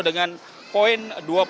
dengan poin dua puluh dua puluh dua